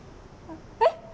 えっ！？